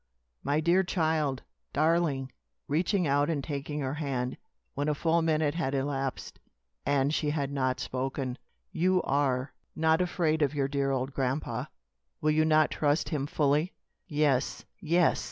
"My dear child! darling!" reaching out and taking her hand, when a full minute had elapsed and she had not spoken. "You are not afraid of your dear old grandpa. Will you not trust him fully?" "Yes, yes!"